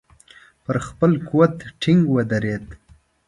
پر خپل قول ټینګ ودرېد.